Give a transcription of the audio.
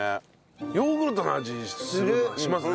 ヨーグルトの味しますね。